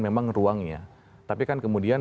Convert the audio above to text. memang ruangnya tapi kan kemudian